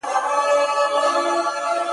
انارکلي اوښکي دي مه تویوه؛